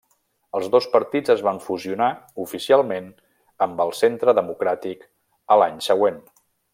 Els dos partits es van fusionar oficialment amb el Centre Democràtic a l'any següent.